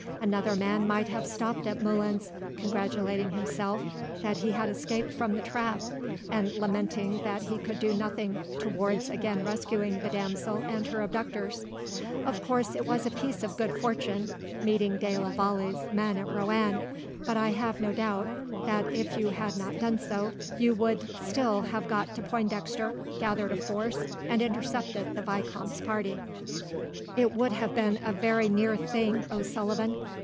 Another man might have stopped at Moulins, congratulating himself that he had escaped from the trap, and lamenting that he could do nothing towards again rescuing this damsel from her abductors. Of course, it was a piece of good fortune, meeting de la Vallee's men at Roanne; but I have no doubt that, if you had not done so, you would still have got to Pointdexter, gathered a force, and intercepted the vicomte's party." "It would have been a very near thing, O'Sullivan.